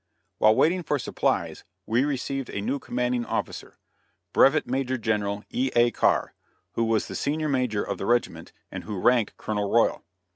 While waiting for supplies we received a new commanding officer, Brevet Major General E.A. Carr, who was the senior major of the regiment, and who ranked Colonel Royal.